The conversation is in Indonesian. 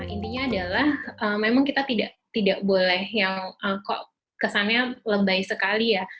intinya adalah memang kita tidak boleh yang kok kesannya lebay sekali ya